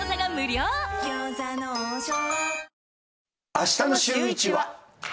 あしたのシューイチは。